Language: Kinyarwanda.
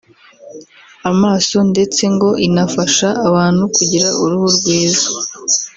amaso ndetse ngo inafasha abantu kugira uruhu rwiza